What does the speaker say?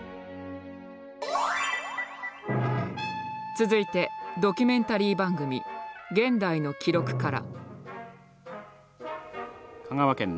続いてドキュメンタリー番組「現代の記録」から。